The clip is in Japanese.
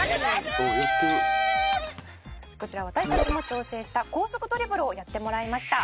「こちら私たちも挑戦した高速ドリブルをやってもらいました」